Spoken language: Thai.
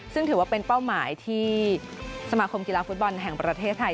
ซึ่งถือว่าเป็นเป้าหมายที่สมาคมกีฬาฟุตบอลแห่งประเทศไทย